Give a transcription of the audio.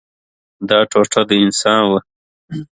دا ټوټه د انسان وه.